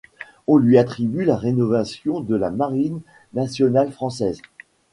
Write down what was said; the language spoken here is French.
On lui attribue la rénovation de la marine nationale française.